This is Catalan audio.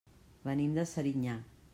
Venim de Serinyà.